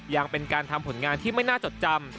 ยังเป็นการทำผลงานที่ไม่น่าจดจำ